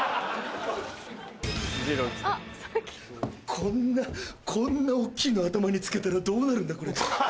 こんなこんな大っきいの頭に付けたらどうなるんだ？